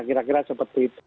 kira kira seperti itu